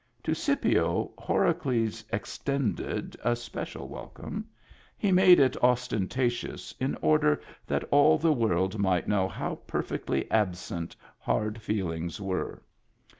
To Scipio Horacles "extended" a special wel come ; he made it ostentatious in order that all the world might know how perfectly absent "hard feelings" were.